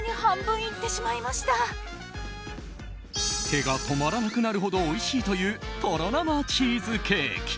手が止まらなくなるほどおいしいというとろ生チーズケーキ。